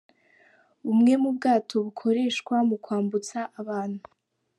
Bumwe mu bwato bukoreshwa mu kwambutsa abantu.